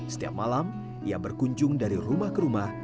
setiap malam ia berkunjung dari rumah ke rumah